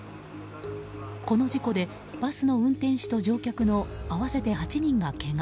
この事故でバスの運転手と乗客の合わせて８人がけが。